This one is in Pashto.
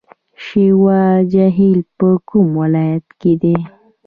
شیوا جهیل په کوم ولایت کې دی؟